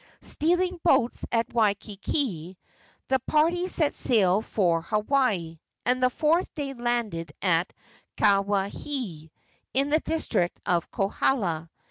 Stealing boats at Waikiki, the party set sail for Hawaii, and the fourth day landed at Kawaihae, in the district of Kohala.